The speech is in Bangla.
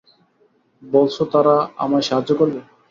বলছ তারা আমায় সাহায্য করবে।